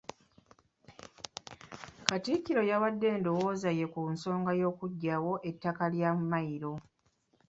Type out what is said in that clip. Katikkiro yawadde endowooza ye ku nsonga y'okuggyawo ettaka lya Mmayiro.